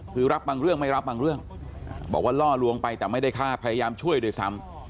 คือรับบางเรื่องไม่รับบางเรื่องบอกว่าล่อลวงไปแต่ไม่ได้ฆ่าพยายามช่วยด้วยซ้ำ